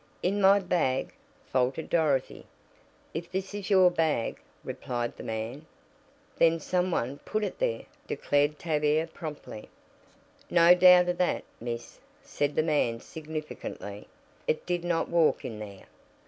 "In my bag!" faltered Dorothy. "If this is your bag," replied the man. "Then some one put it there," declared Tavia promptly. "No doubt of that, miss," said the man significantly. "It did not walk in there."